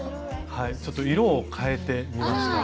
ちょっと色をかえてみました。